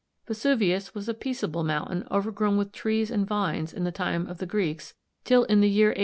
Vesuvius was a peaceable mountain overgrown with trees and vines in the time of the Greeks till in the year A.